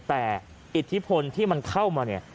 แต่อิทธิพลที่มันเข้ามาเนี่ย